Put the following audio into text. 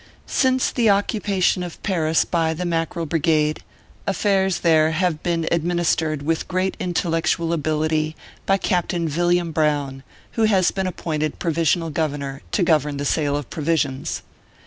J ^ <^ Since the occupation of Paris by the Mackerel Brigade, affairs there have been administered with great intellectual ability by Captain Villiam Brown, who has been appointed Provisional Governor, to govern the sale of provisions.